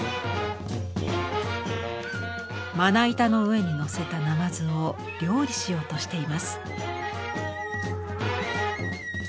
まな板の上にのせた鯰を料理しようとしています。